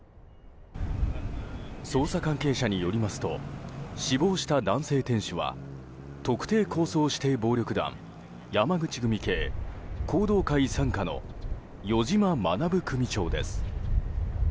捜査関係者によりますと死亡した男性店主は特定抗争指定暴力団山口会系弘道会傘下の余嶋学組長です。